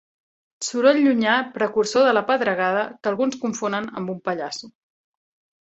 Soroll llunyà precursor de la pedregada que alguns confonen amb un pallasso.